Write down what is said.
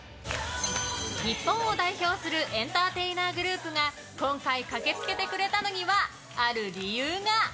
日本を代表するエンターテイナーグループが今回駆けつけてくれたのにはある理由が。